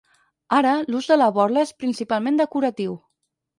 Ara, l'ús de la borla és principalment decoratiu.